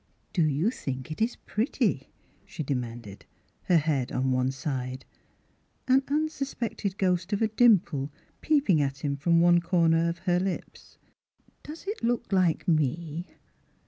" Do you think it is pretty ?" she de manded, her head on one side, an unsus pected ghost of a dimple peeping at him from one comer of her lips. " Does it look like me?